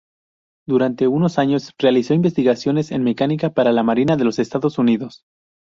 Durante unos años realizó investigaciones en mecánica para la Marina de los Estados Unidos.